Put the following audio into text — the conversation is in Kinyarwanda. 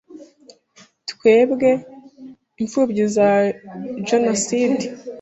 Twebwe imfubyi za Jenoside